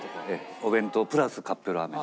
お弁当プラスカップラーメン。